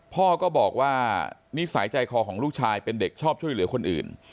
พ่อก็บอกว่านิสัยใจคอของลูกชายเป็นเด็กชอบช่วยเหลือคนอื่น